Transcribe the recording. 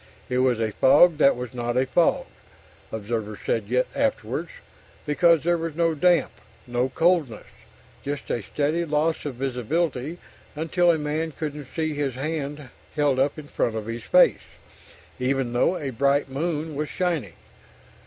It was a fog that was not a fog, observers said afterwards, because there was no damp, no coldness just a steady loss of visibility until a man couldn't see his hand held up in front of his face, even though a bright moon was shining.